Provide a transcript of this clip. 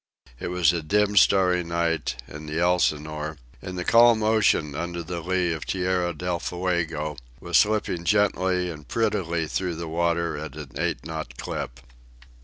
It was a dim starry night, and the Elsinore, in the calm ocean under the lee of Tierra del Fuego, was slipping gently and prettily through the water at an eight knot clip.